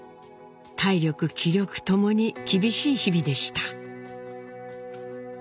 体力気力ともに厳しい日々でした。